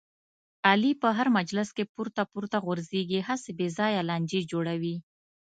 علي په هر مجلس کې پورته پورته غورځېږي، هسې بې ځایه لانجې جوړوي.